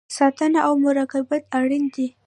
ساتنه او مراقبت اړین دی